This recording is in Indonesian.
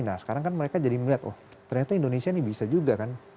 nah sekarang kan mereka jadi melihat oh ternyata indonesia ini bisa juga kan